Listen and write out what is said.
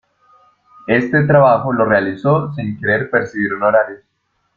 Este trabajo lo realizó sin querer percibir honorarios.